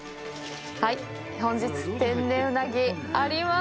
「本日天然うなぎあります」